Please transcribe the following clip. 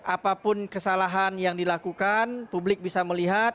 apapun kesalahan yang dilakukan publik bisa melihat